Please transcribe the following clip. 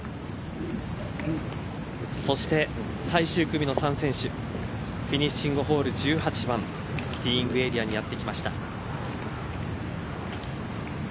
そして最終組の３選手フィニッシングホール１８番ティーイングエリアにやって来ました。